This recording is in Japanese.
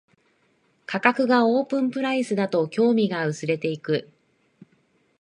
価格がオープンプライスだと興味が薄れていく